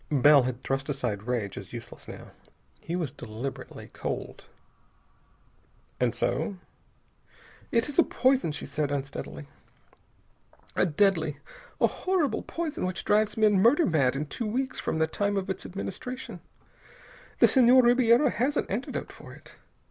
Bell had thrust aside rage as useless, now. He was deliberately cold. "And so?" "It is a poison," she said unsteadily. "A deadly, a horrible poison which drives men murder mad in two weeks from the time of its administration. The Senhor Ribiera has an antidote for it.